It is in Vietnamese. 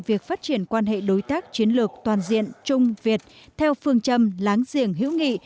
việc phát triển quan hệ đối tác chiến lược toàn diện trung việt theo phương châm láng giềng hữu nghị